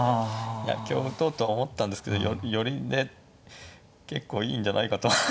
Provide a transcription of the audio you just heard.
いや香を打とうとは思ったんですけど寄りで結構いいんじゃないかと思った。